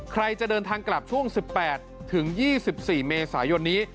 ใครจะเดินทางกลับช่วง๑๘ถึง๒๔เมษายนนี้